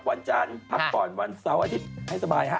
วันจันทร์พักผ่อนวันเสาร์อาทิตย์ให้สบายฮะ